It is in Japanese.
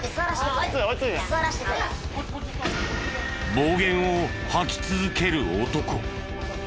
暴言を吐き続ける男。